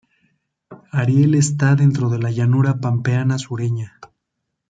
Ariel está dentro de la llanura Pampeana sureña.